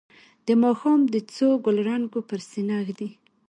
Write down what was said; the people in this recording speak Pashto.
د ماښام د څو ګلرنګو پر سینه ږدي